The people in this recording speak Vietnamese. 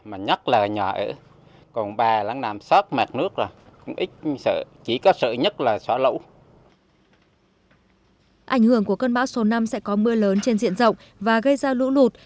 ảnh hưởng của cơn bão số năm sẽ có mưa lớn trên diện rộng và gây ra lũ lụt